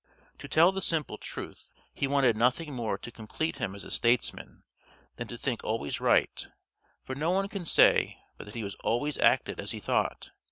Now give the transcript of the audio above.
To tell the simple truth, he wanted nothing more to complete him as a statesman than to think always right, for no one can say but that he always acted as he thought.